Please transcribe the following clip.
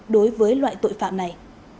đối với loại tội phạm này